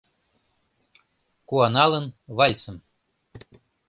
Куаналын, вальсым